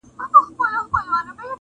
پرېږده چي لمبې پر نزله بلي کړي٫